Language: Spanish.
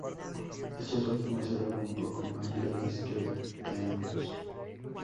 Estos últimos eran un poco más grandes que el "Thames".